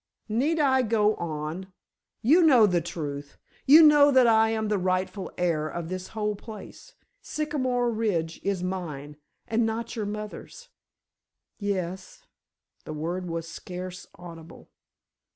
"Need I go on? You know the truth. You know that I am the rightful heir of this whole place. Sycamore Ridge is mine, and not your mother's." "Yes." The word was scarce audible.